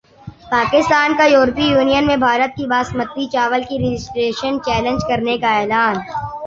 پاکستان کا یورپی یونین میں بھارت کی باسمتی چاول کی رجسٹریشن چیلنج کرنیکا اعلان